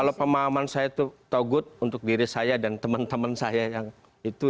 kalau pemahaman saya itu togut untuk diri saya dan teman teman saya yang itu